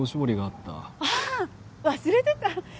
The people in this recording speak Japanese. あっ忘れてた！